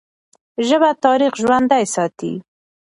ژبه تاریخ ژوندی ساتي.